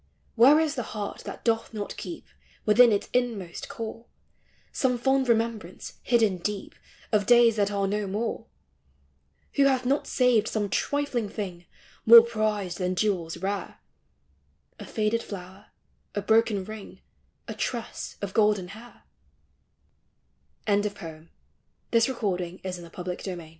Where is the heart that doth not keep, Within its inmost core, Some fond remembrance, hidden <1< '<■)>, Of days that are no more? Who hath not saved some trifling tiling More prized than jewels rare — A faded flower, a broken ring, A tress of golden hair ': ELLEN CLEMENTINE HOWARTH. THE BRIER WOOD PIPE.